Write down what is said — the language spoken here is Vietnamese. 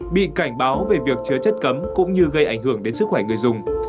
bị cảnh báo về việc chứa chất cấm cũng như gây ảnh hưởng đến sức khỏe người dùng